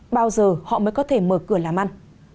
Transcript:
bao giờ họ mới có thể mở cửa làm ăn